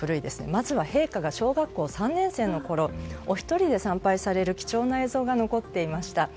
まずは陛下が小学校３年生のころお一人で参拝される貴重な映像が残っていました。